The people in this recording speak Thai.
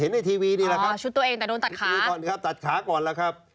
เห็นในทีวีนี่แหละครับอ๋อชุดตัวเองแต่โดนตัดขาตัดขาก่อนแหละครับ